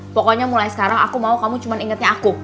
pokoknya mulai sekarang aku mau kamu cuma ingetnya aku